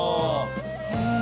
へえ。